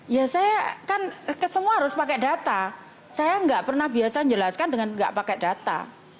ya saya kan semua harus pakai data saya nggak pernah biasa menjelaskan dengan nggak pakai data